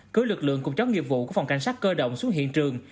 cưới lực lượng cùng chóng nghiệp vụ của phòng cảnh sát cơ động xuống hiện trường